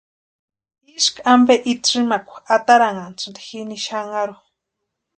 Ísku ampe itsïmakwa atarantʼanhasïnti jini xanharhu.